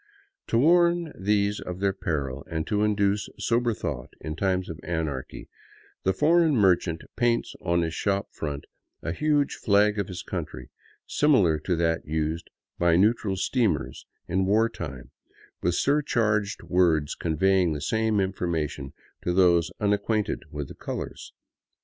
To warn these of their peril, and to ijiduce sober thought in times of anarchy, the foreign merchant paints on his shop front a huge flag of his country, similar to that used by neutral steamers in war time, with surcharged words conveying the same information to those unacquainted with the colors.